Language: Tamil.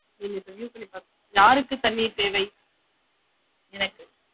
யாருக்குத் தண்னீர் தேவை?